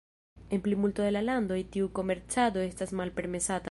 En plimulto de la landoj tiu komercado estas malpermesata.